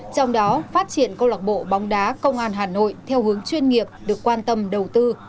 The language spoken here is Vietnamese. trong đó phát triển câu lạc bộ bóng đá công an hà nội theo hướng chuyên nghiệp được quan tâm đầu tư